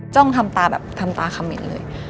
จ้องทำตาแบบทำตาขมินเลย